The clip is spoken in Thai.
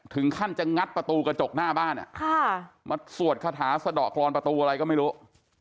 ถึงขั้นจะงัดประตูกระจกหน้าบ้านมาสวดคาถาสะดอกกรอนประตูอะไรก็ไม่รู้